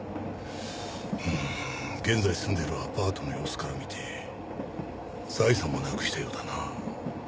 現在住んでいるアパートの様子から見て財産もなくしたようだな。